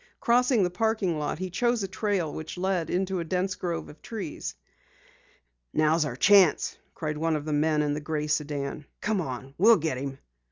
Crossing the parking lot, he chose a trail which led into a dense grove of trees. "Now's our chance!" cried one of the men in the gray sedan. "Come on, we'll get him!"